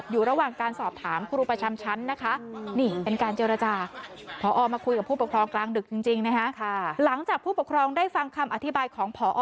ยังคาใจอยู่เหมือนกัน